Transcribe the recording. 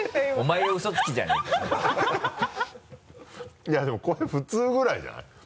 いやでもこれ普通ぐらいじゃない？